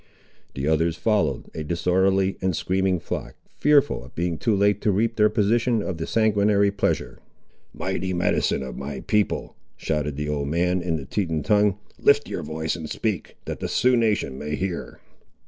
The others followed, a disorderly and screaming flock, fearful of being too late to reap their portion of the sanguinary pleasure. "Mighty medicine of my people!" shouted the old man, in the Teton tongue; "lift your voice and speak, that the Sioux nation may hear."